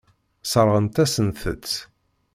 Sseṛɣent-asent-tt.